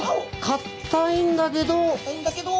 かたいんだけど。